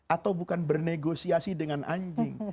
atau bukan bernegosiasi dengan anjing